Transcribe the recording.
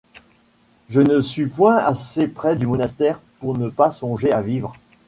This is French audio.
Je ne suis point assez près du monastère pour ne pas songer à vivre.